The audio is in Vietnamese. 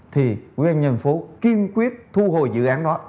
thì quỹ ban dân thành phố kiên quyết thu hồi dự án đó